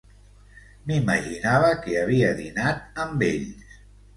M'imaginava que havia dinat amb ells.